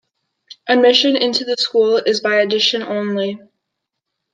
Admission into the school is by audition only.